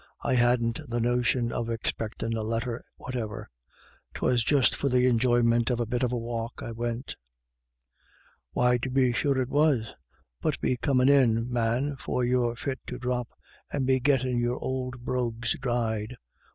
I hadn't the notion of expectin' a letter whatever. 'Twas just for the enjoyment of the bit of a walk I went." " Why, tubbe sure it was. But be comin' in, man, for you're fit to drop, and be gettin' your ould brogues dried.